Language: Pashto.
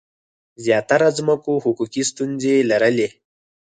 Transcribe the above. زیاتره ځمکو حقوقي ستونزي لرلي.